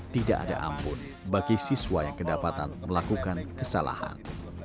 tidak ada ampun bagi siswa yang kedapatan melakukan kesalahan